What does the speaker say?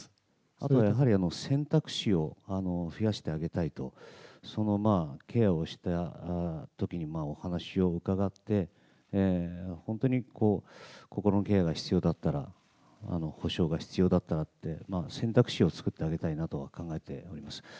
あとやはり、選択肢を増やしてあげたいと、そのケアをしたときにお話を伺って、本当に心のケアが必要だったら、補償が必要だったらって、選択肢を作ってあげたいなと考えております。